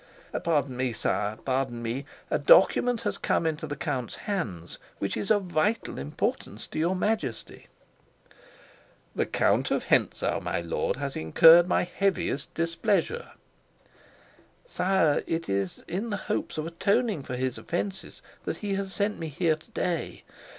"Pardon me, sire, pardon me. A document has come into the count's hands which is of vital importance to your Majesty." "The Count of Hentzau, my lord, has incurred my heaviest displeasure." "Sire, it is in the hopes of atoning for his offences that he has sent me here to day.